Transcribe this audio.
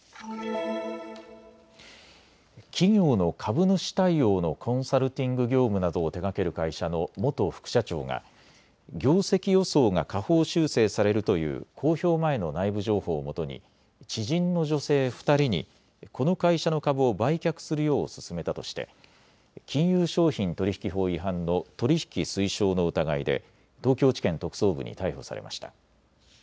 企業の株主対応のコンサルティング業務などを手がける会社の元副社長が業績予想が下方修正されるという公表前の内部情報をもとに知人の女性２人にこの会社の株を売却するよう勧めたとして金融商品取引法違反の取引推奨の疑いで東京地検特捜部に逮捕されました。